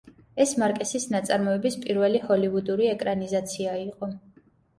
ეს მარკესის ნაწარმოების პირველი ჰოლივუდური ეკრანიზაცია იყო.